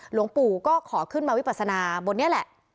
หลวงปู่ก็ขอขึ้นมาวิปัสนาบนนี้แหละ